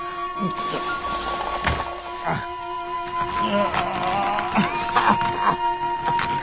ああ。